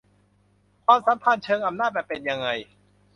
ความสัมพันธ์เชิงอำนาจมันเป็นยังไง